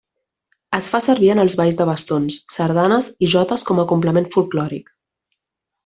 Es fa servir en els balls de bastons, sardanes i jotes com a complement folklòric.